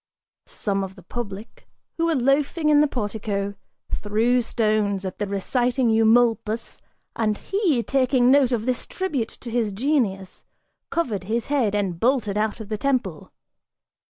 Some of the public, who were loafing in the portico, threw stones at the reciting Eumolpus and he, taking note of this tribute to his genius, covered his head and bolted out of the temple.